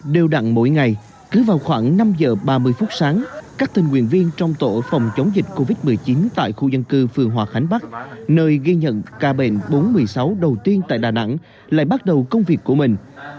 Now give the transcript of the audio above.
đều đặn mỗi ngày cứ vào khoảng năm giờ ba mươi phút sáng các tình nguyện viên trong tổ phòng chống dịch covid một mươi chín tại khu dân cư phường hòa khánh bắc nơi ghi nhận ca bệnh bốn trăm một mươi sáu đầu tiên tại đà nẵng lại bắt đầu công việc của mình